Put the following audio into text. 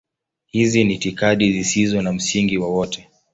Hizi ni itikadi zisizo na msingi wowote.